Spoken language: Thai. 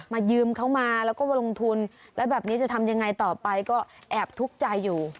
ยืมเขามาแล้วก็มาลงทุนแล้วแบบนี้จะทำยังไงต่อไปก็แอบทุกข์ใจอยู่